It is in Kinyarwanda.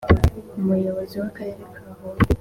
Umuyobozi w’Akarere ka Huye,